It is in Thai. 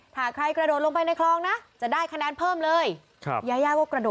ถ้าใครกระโดดลงไปในคลองนะจะได้คะแนนเพิ่มเลย